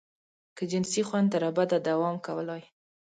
که جنسي خوند تر ابده دوام کولای.